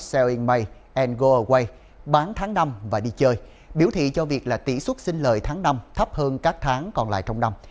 sell in may and go away bán tháng năm và đi chơi biểu thị cho việc là tỷ xuất sinh lời tháng năm thấp hơn các tháng còn lại trong năm